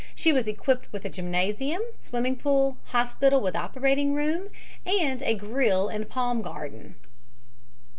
She was equipped with a gymnasium, swimming pool, hospital with operating room, and a grill and palm garden.